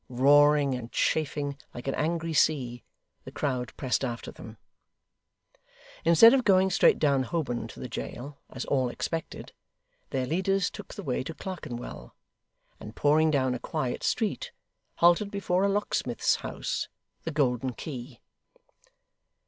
Roaring and chafing like an angry sea, the crowd pressed after them. Instead of going straight down Holborn to the jail, as all expected, their leaders took the way to Clerkenwell, and pouring down a quiet street, halted before a locksmith's house the Golden Key.